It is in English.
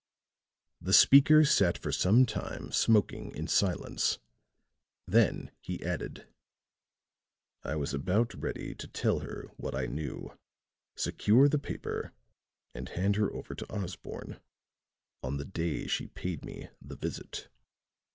The speaker sat for some time smoking in silence; then he added: "I was about ready to tell her what I knew, secure the paper and hand her over to Osborne on the day she paid me the visit.